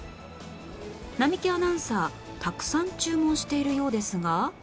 並木アナウンサーたくさん注文しているようですが